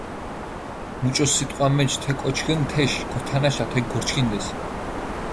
მუჭო სიტყვა მეჩ თე კოჩქჷნ თეში, გოთანაშა თექ გორჩქინდეს.